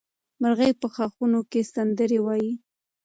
مرغۍ په ښاخونو کې سندرې وایي.